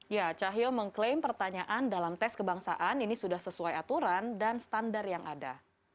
ya cahyo mengklaim pertanyaan dalam tes kebangsaan ini sudah sesuai aturan dan standar yang ada